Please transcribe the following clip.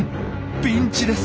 ピンチです！